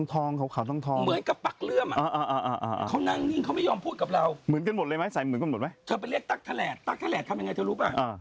เธอไปเรียกตั๊กทะแหลดตั๊กทะแหลดทำยังไงเธอรู้ป่ะ